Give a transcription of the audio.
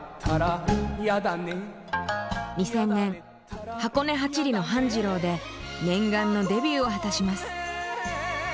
２０００年「箱根八里の半次郎」で念願のデビューを果たします。